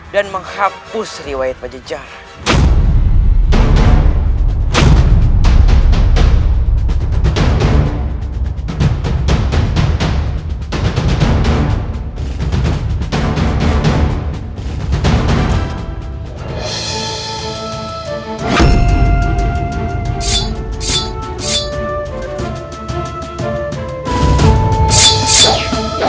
dan menghapus riwayat pajajaran